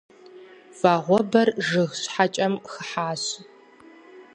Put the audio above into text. Вагъуэбэр жыг щхьэкӏэм хыхьащ.